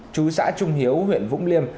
chú xã trung hiếu huyện vũng liêm